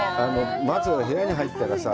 まずは部屋に入ったらさ